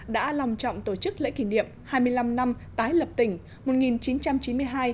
đã lòng trọng tổ chức lễ kỷ niệm hai mươi năm năm tái lập tỉnh một nghìn chín trăm chín mươi hai hai nghìn một mươi bảy